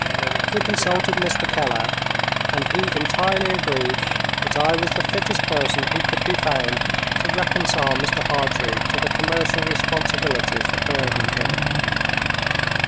We consulted Mr. Keller; and he entirely agreed that I was the fittest person who could be found to reconcile Mr. Hartrey to the commercial responsibilities that burdened him.